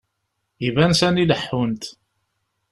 Iban sani leḥḥunt.